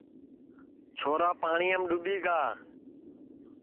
گُلیا پاٹِؔیام ڈُؔوٻی گا